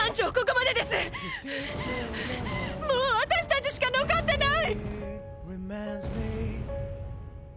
もう私たちしか残ってない！